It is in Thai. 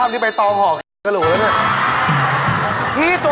อาบปีนึงต้องสองครั้งนะ